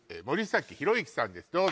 森崎博之さんです